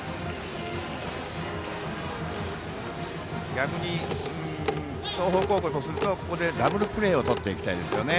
逆に、東邦高校からするとここでダブルプレーをとっていきたいですよね。